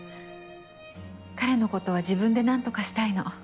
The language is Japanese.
彼のことは自分で何とかしたいの。